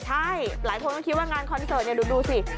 ใช่หลายคนก็คิดว่างานคอนเสิร์ตดูสิ